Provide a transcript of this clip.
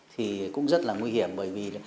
thì cũng rất là nguy hiểm bởi vì